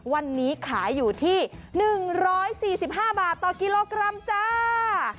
วันนี้ขายอยู่ที่๑๔๕บาทต่อกิโลกรัมจ้า